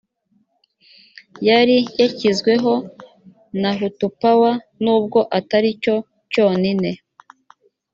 yari yashyizweho na hutu pawa n’ubwo atari cyo cyonine